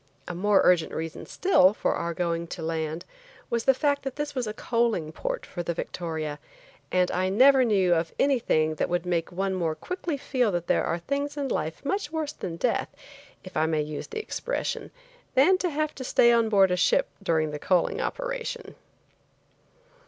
A more urgent reason still, for our going to land, was the fact that this was a coaling port for the Victoria, and I never knew of anything that would make one more quickly feel that there are things in life much worse than death, if I may use the expression, than to have to stay on board a ship during the coaling operation.